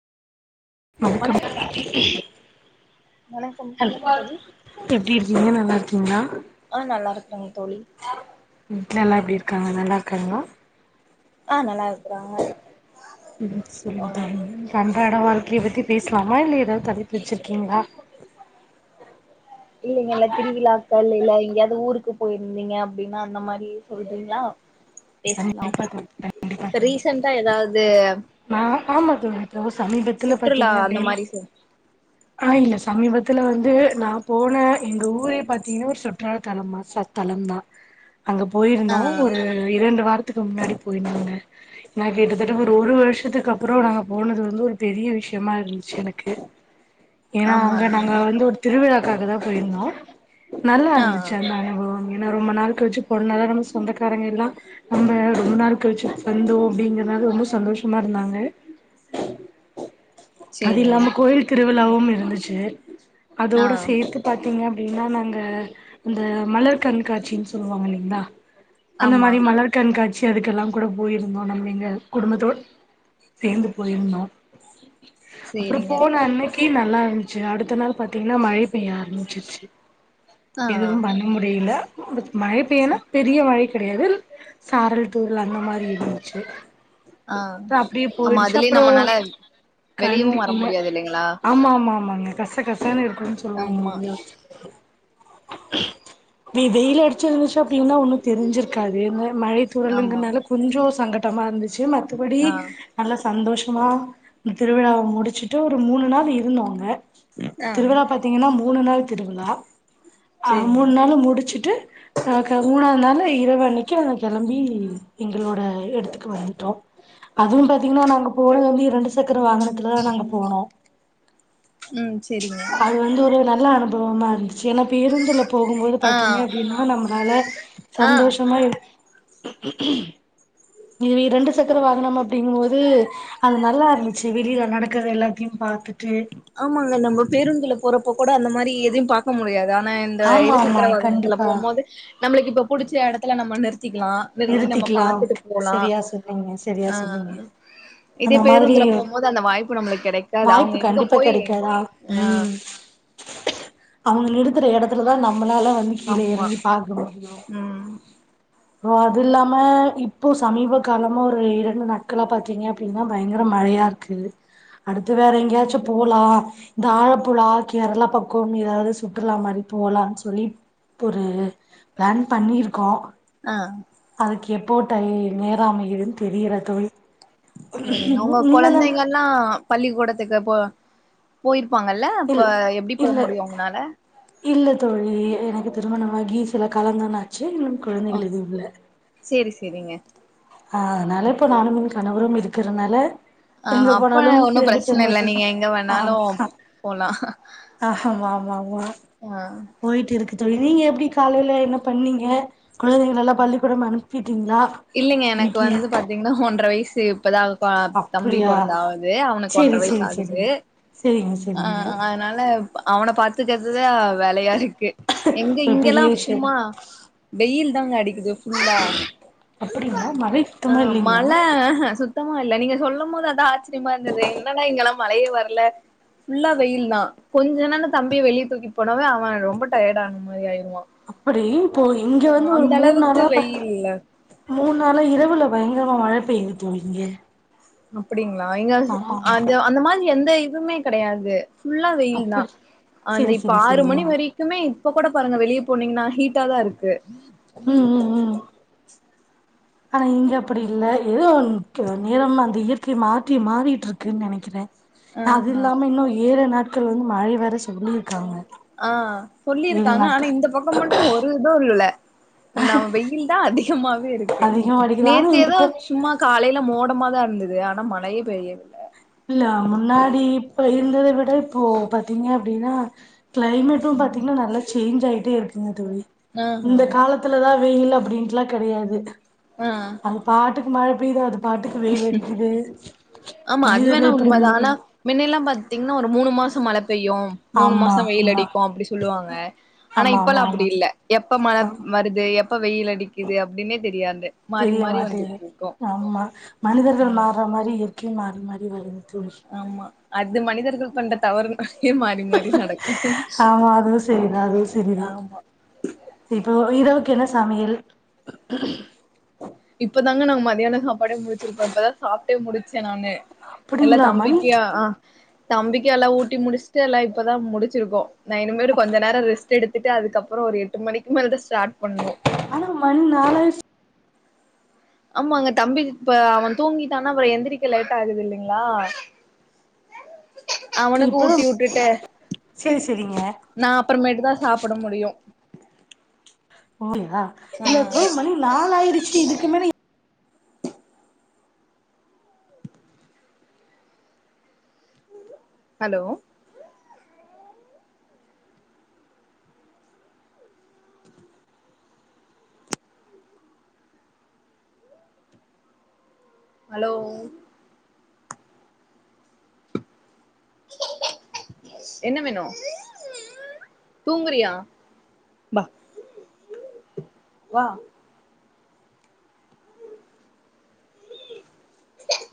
வணக் அனுப்பனு வணக்கம் சொல்லுங்க தோழி எப்டி இருக்கிங்க நல்லாருக்கிங்ளா ஆ நல்லாருக்கங் வீட்ல எல்லா எப்டி இருக்காங்க நல்லாருக்காங்ளா ஆ நல்லாரு ம் சொல்லுங்க ஆமா தோழி நம் அன்றாட வாழ்க்கைய பத்தி பேச லாமா இல்ல ஏதாவுது தலைப்பு வெச்சுருக்கிங்ளா இல்லைங்க எல்லா திருவிழாக்கள் இல்ல எங்யாது ஊருக்கு போயிருந்திங்க அப்டினா அந்த மாரி சொல்றிங்ளா பேசலாம் கண்டிப்பா தோழி கண்டிப்பா இப்ப தோழி ரீசன்ட்டா எதாது நா ஆமா தோழி இப்போ சமீபத்துல பாத்தீங்க அந்த அப்படின்னா மாரி சொல் ஆ இல்ல சமீபத்து ல வந்து நா போன எங்க ஊரே பாத்தீங்ன்னா ஒரு சுற்றுலா தலமா சார் தலம்தா அங்கப் ஆ போயிருந்தோ ஒரு வாரத்துக்கு முன்னாடி போயிர்ந்தாங்க நாங்க இந்ததடவ ஒரு ஒரு வர்ஷத்துக்கு அப்புறம் நாங்க போனது வந்து ஒரு பெரிய விஷ்யமா இருந்துச்சு எனக்கு ஏன்னா ஆமா அங்க ஆமாங்க நாங்க வந்து ஒரு திருவிழாக் காக தா போயிருந்தோ நல்லா ஆ இருந்துச்சு அந்த அனுபவோ ஏன்னா ரொம்ப நாள் கழிச்சிப் பொன் அலாரம் சொந்தக்காரங்கெல்லா நம்ப ரொம்ப நாள் கழிச்சி வந்தோம் அப்டிங்கறனால ரொம்ப சந்தோஷமா இருந்தாங்க அது சேரிங்க இல்லாம கோயில் திருவிழாவும் இருந்துச்சு ஆ அதோட சேத்து பாத்தீங்க ப்டின்னா நாங்க இந்த மலர் கண்காட்சின்னு சொல்வாங்க இல்லிங்களா ஆமா கண்காட்சி அதுக்கெல்லா கூட போயிருந்தோ நம்ம இங்கக் குடும்பத்தோட் சேர்ந்து போயிருந்தோ அப்புறோ சேரிங்க போன அன்னக் க்கி நல்லா இருந்துச்சு அடுத்த நாள் பாத்தீங்ன்னா மழை பெய்ய ஆரமிச்சிருச்சி ஆ எதுவு பண்ண முடியில வந்துட்டு மழை சே பெய்யனா பெரிய மழைக் கெடையாதுல் சாரல் தூரள் அந்த மாரி இருந்துச்சு ஆ ப்ப அப்டியே ஆமா போயிடுச்சு அதுலயே அப்புறோ நம்மனால வெளியவு கண்டி வர இல்ல முடியாது இல்லைங்களா ஆமா ஆமா ஆமா ஆமாங்க கச கசன்னு இருக் குனு ஆமா சொல்வோம்லியா நீ வெய்லு அடிச்சு இருந்துச்சு அப்டின்னா ஒன்னு தெரிஞ்சிருக்காது வேம்மு மழை ஆமா தூரலுங்க்ரனால கொஞ்சோ சங்கட் டமா இருந்துச் சு மத்தப்படி ஆ நல்ல சந்தோஷமா திருவிழாவ முடிச்சுட்டு ஒரு மூனு நாள் இருந்தோ அங்க ஆ திருவிழா பாத்தீங்கன்னா மூனு நாள் திருவிழா அஹ் சேரிங்க மூனு நாளு முடிச்சுட்டு ஆஹ் க மூனாவது நாள் இரவன்னிக் கி அங்க கெளம்பி எங்களோட எடத்துக்கு வந்துட்டோ அதுவு பாத்தீங்கன்னா நாங்க போனது வந்து இரண்டு சக்கர வாங்கனத்துலதா நாங்க போனோ உம் அது வந்து ஒரே ஒரு நாள் ல அனுபவமா இருந்துச்சு எனா பேருந்துலப் போகும்போது ஆ பாத்தீங்க அப்டின்னா நம்ளால ஆ சந்தோஷமா இருக் இ நீ ரெண்டு சக்கர வாகனம் அப்டிங்கும்போது அது நல்லா இருந்துச்சு வெளிய நடக்குறது எல்லாத்தையு பாத்து ஆமாங்க நம்ப பேருந்துள போறப்போ கூட அந்த மாரி எதையு பாக்க முடியாதா ஆனா இந்த ஆமா ஆமா இருசக்கர வாகனத்துல கண்டிப்பா போம்போது நம்மளுக்கு இப்ப பிடிச்ச எடத்துல நம்ம நிறுத் திக்லா நிறுத்தி நம்ம நிறுத்திக்கலா பாத்துட்டு போலா சரியா சொன்னீங்க சரியா சொன்னீங்க ஆஹ் இதே அந்த மாதிரி பேருந்துல போம்போது அந்த வாய்ப்பு நம்மளுக்கு கெடைக்காது அவங்க என் ப்ப கெடைக்காதா உம் அவங்க எடுக்குற எடத்துல தா நம் நம்மளாலா வந்து கீழே ஆமா இறங்கி பாக்க முடியு ம் ரோ அது இல்லாம இப்போ சமீப காலமா ஒரு இரண்டு நாட்களா பாத்தீங்க அப்டின்னா பயங்கர மழையா இருக்கு அடுத்து வேற எங்கேயாச்சு போலா இந்த ஆழப்புழா கேரளா பக்கம் ஏதாவது சு ற்றுலா மாரி போலானு சொல்லி ஒரு பிளான் பண்ணிருக்கோ ஆஹ எப்போ டை நேரோ அமையுதுன்னு தெரியல தோழி செரிங்க உங்க நீங்க என்ன குழந்தைங்கல்லா பள்ளிக்கூடத்துக்கு போ போயிருப்பாங்கல்ல இல் இப்ப எப்டி போ இல்ல முடியும் அவங்களனால இல்ல தோழி எனக்கு திருமணமாகி சில காலந்தன்னாச்சு எங்களுக்கு ஆ கொழந்தைக எதுவு இல்ல சேரி சேரிங்க ஆஹ் அதனால இப்ப நானு என் கணரு இருக்கிறதுனால அஹ் அப்ப ஒன்னும் பிரச்சனை இல்ல நீங்க எங்க வேண்ணாலு ஆமா போலா ஆமா ஆமா ஆமா ஆஹ் போயிட்டு இருக்கு தோழி நீங்க எப்டி காலையில என்ன பண்ணீங்க குழந்தைங்க எல்லா பள்ளிக்கூடம் அனுப்பி இல்லலைங்க எனக்கு வந்து பாத்தீங்கன்னா ஒன்றரை வயசு எதாவு பா தம்பி அப்டியா பொறந்து ஆவுது அவனுக்கு சேரி ஒன்றரை வயசு சேரி ஆகுது சேரிங்க சேரிங்க சேரிங்க அஹ அதனால அவன பாத்துக்கிறதுத வேலையா இருக்கு எங்க ஒரு இங்கெல்லா பெரிய விஷயம் தா சும்மா வெயில் தங்காடி இது ஃபுல்லா அப்டிங்களா மழை சுத்தமா ஆஹ் இல்லைங்களா மழை சுத்தமா நீங்க சொல்லம் போது அதா ஆச்சரியமா இருந்தது என்னன்னா இங்கல்லா மழையே வரல ஃபுல்லா வெயில்தா கொஞ்ச என்னன்னு தம்பிய வெளியே தூக்கி போனாவே அவன் ரொம்ப டயர்ட் ஆன மாதிரி ஆயிரு அப்டி இப்போ இங்க வந்து ஒரு அந்த மூணு அளவுக்கு நாளா பா வெயில் மூணு நாள இரவுல பயங்கரமா மழ பெயி தோழி இங்க அப்டிங் லங்க ஆமா அ ஆமா அந்த மாரி எந்த எதுமே கெடையாது ஃபுல்லா வெயில் தா அப்படி அந்த செரி இப்ப செரி ஆறு செரிங்க மணி வரைக்குமே இப்ப கூட பாருங்க வெளிய போனீங்கன்னா ஹீட்டா தா இருக்கு உம் உம் உம் ஆனா இங்க அப்டி இல்ல ஏதோ த் நேரம் அந்த இயற்கை மாற்றி மாறிட்டு இருக்குன்னு நெனைக்கற. அது ஆஹா இல்லாம இன்னு ஏழு நாட் நாட்கள் வந்து மழை வேர சொல்லியிருக்காங்க ஆ ஏழு சொல்லியிருக்காங்க ஆனா நாட்கள் இந்த பக்கம் மட்டும் ஒரு இதும் இல்லை நா வெயில் தான் அடிக் [unintelligible] [unintelligible] இருக்கு அதிகமா அடிக்குது ஆனா நேத்து இந்த ஏதோ இப்போ சும்மா காலையில மோடம் சும்மாதான் இருந்தது ஆனா மழயே பெய்ய இல்ல முன்னாடி அப்போ இருந்ததவிட இப்போ பாத்தீங்க அப்டின்னா கிளைமேட்டும் பாத்தீங்கன்னா நல்லா சில்லு சேஞ் ஆயிட்டே இருக்குங்க தோழி ஆஹா இந்த காலத்துல தான் வெயில் அப்டின்ட்டுலாம் கெடையாது. ஆ அது பாட்டுக்கு மழ விடாது அது பாட்டுக்கு வெயில் அடிக்குது ஆமா அது வேண மனிதர்கள் எப்படி உண்ம தான் மாறு ஆனா மின்னெல்லாம் பாத்தீங் இன்னும் ஒரு மூணு மாசம் மழ பெய்யும் மூணு ஆமா மாசம் வெயில் ஆமா அடிக்கும் அப்படி சொல்லுவாங்க ஆனா ஆமா ஆமா இப்பல்லாம் ஆமா அப்படி இல்ல எப்ப மழை ஆமா வருது எப்ப வெயில் அடிக்குது அப்படின்னே தெரியாது மாறி தெரிய மாறி மாட்டேது வந்துட்டு இருக்கும். ஆமா மனிதர்கள் மாற மாரி [unintelligible] மாறி மாறி வருது தோழி ஆமா அது மனிதர்கள் பண்ற தவறும் ஆமா அதுவும் சரிதான் அதுவும் சரிதான் ஆமா இப்போ இதோ க்கு என்ன சமயல் இப்பதாங்க நாங்க மதியான சாப்பாடே முடிச்சிருக்கோம் இப்ப தான் சாப்ட்டே முடிச்சேன் நானு எல்லாம் அப்படிங்களா மணி தம்பிக்கியா ஆ தம்பிக்கும் எல்லாம் ஊட்டி முடிஸ்டு எல்லாம் இப்பதான் முடிச்சிருக்கோம் நான் இனிமேட்டு கொஞ்சநேரம் ரெஸ்டு எடுத்துட்டு அதுக்கப்புறம் ஒரு எட்டு மணிக்கு மேலத ஆனா மணி நாள ஆயி ஆமாங்க தம்பி இப்ப அவன் தூங்கிட்டானா அப்புற எந்திரிக்க லேட் ஆகுது இல்லைங்களா அவனுக்கு இப்பதா ஊட்டி விட்டுட்டு செரி செரிங்க நான் அப்புறமேட்டு தான் சாப்ட முடியும் [inaudible] ஓா இல்ல இப்போ மணி நாலாயிடுச் சு இதுக்கு மேல ஹலோ ஹலோ என்ன வேணு தூங்குறியா வா வா